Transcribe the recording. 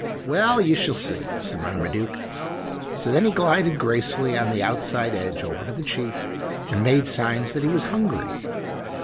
"Well, you shall see," said Marmaduke. So then he glided gracefully on the "outside edge" over to the chief, and made signs that he was hungry.